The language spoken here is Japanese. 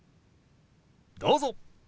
どうぞ。